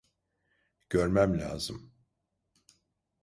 Görmem lazım.